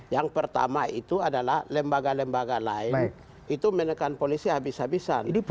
yang pertama itu adalah lembaga lembaga lain itu menekan polisi habis habisan